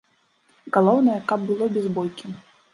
Галоўнае, каб было без бойкі.